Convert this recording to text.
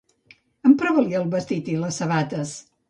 Emprova-li el vestit i les sabates.